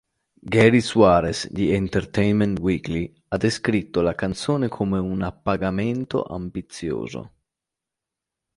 Gary Suarez di "Entertainment Weekly ha" descritto la canzone come un "appagamento ambizioso".